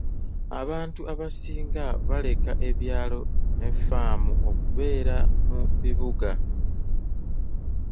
Abantu abasinga baleka ebyalo ne ffaamu okubeera mu bibuga.